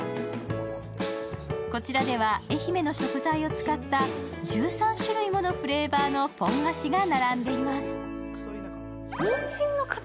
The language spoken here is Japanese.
こちらでは、愛媛の食材を使った１３種類ものフレーバーのポン菓子が並んでいます。